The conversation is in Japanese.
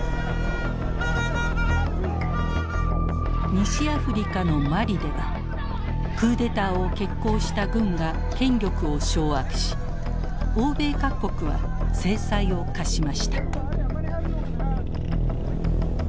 西アフリカのマリではクーデターを決行した軍が権力を掌握し欧米各国は制裁を科しました。